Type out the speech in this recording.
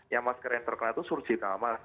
yang masker yang terkena itu surjit amas